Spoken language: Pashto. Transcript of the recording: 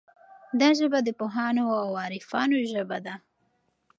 دا ژبه د پوهانو او عارفانو ژبه ده.